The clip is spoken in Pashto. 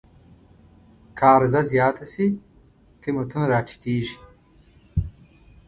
که عرضه زیاته شي، قیمتونه راټیټېږي.